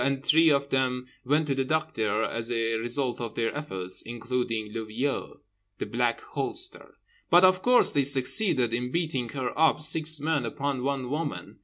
And three of them went to the doctor as a result of their efforts, including le vieux (The Black Holster). But of course they succeeded in beating her up, six men upon one woman.